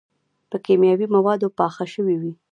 پۀ کيماوي موادو پاخۀ شوي وي